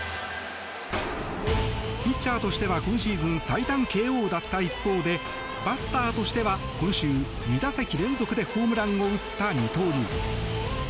ピッチャーとしては今シーズン最短ＫＯだった一方でバッターとしては今週、２打席連続でホームランを打った二刀流。